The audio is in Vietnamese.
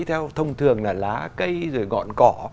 theo thông thường là lá cây rồi gọn cỏ